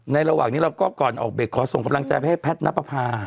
ในระหว่างนี้เราก็ก่อนออกไปขอส่งกำลังแจบให้็ด่นรับภาพ